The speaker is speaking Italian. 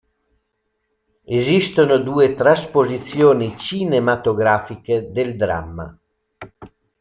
Esistono due trasposizioni cinematografiche del dramma.